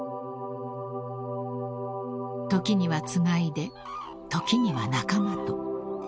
［時にはつがいで時には仲間と］